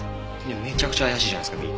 めちゃくちゃ怪しいじゃないですかＢ。